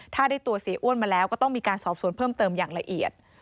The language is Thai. ถ้าได้ตัวเสียอ้วนมาแล้วก็ต้องมีการสอบสวนเพิ่มเติมอย่างละเอียด